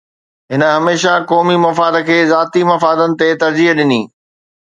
هن هميشه قومي مفاد کي ذاتي مفادن تي ترجيح ڏني.